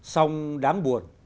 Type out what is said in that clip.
sông đáng buồn